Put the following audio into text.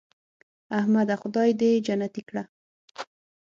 احمده خدای دې جنتې کړه .